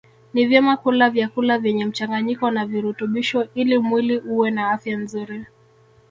Ni vyema kula vyakula vyenye mchanganyiko wa virutubisho ili mwili uwe na afya nzuri